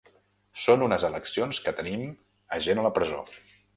Són unes eleccions que tenim a gent a la presó.